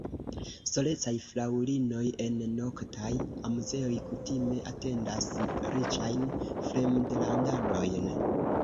Solecaj fraŭlinoj en noktaj amuzejoj kutime atendas riĉajn fremdlandanojn.